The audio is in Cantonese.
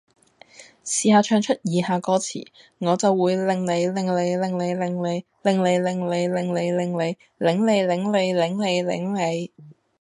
試吓唱出以下歌詞：我就會令你令你令您令您，令妳令妳令你令你，擰你擰你擰你擰你！